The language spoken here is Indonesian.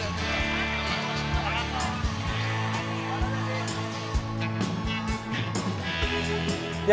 sepitia jalan ditambah dengan aktivitas pkl yang berjualan dan menyebabkan akses keluar masuk ke dalam taman juga menjadi kurang lancar